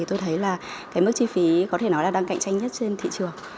tôi thấy mức chi phí có thể nói là đang cạnh tranh nhất trên thị trường